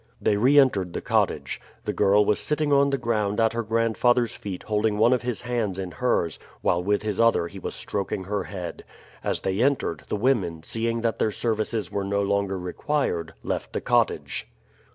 They re entered the cottage. The girl was sitting on the ground at her grandfather's feet holding one of his hands in hers, while with his other he was stroking her head. As they entered, the women, seeing that their services were no longer required, left the cottage.